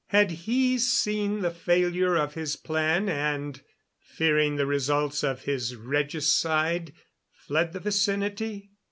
Had he seen the failure of his plan and, fearing the results of his regicide, fled the vicinity?